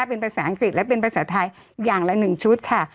เป็นภาษาอังกฤษและเป็นภาษาไทยอย่างละ๑ชุดค่ะ